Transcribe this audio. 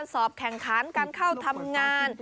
สอบแข่งขันการเข้าทำงาน